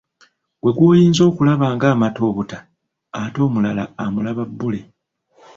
Ggwe gw'oyinza okulaba ng'amata obuta, ate omulala amulaba bbule!